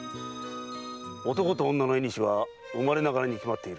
男と女の縁は生まれながらに決まっている。